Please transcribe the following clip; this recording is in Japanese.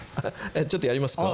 ちょっとやりますか。